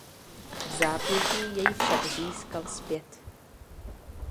Vzápětí jej však získal zpět.